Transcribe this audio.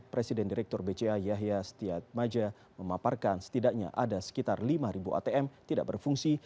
presiden direktur bca yahya setia maja memaparkan setidaknya ada sekitar lima atm tidak berfungsi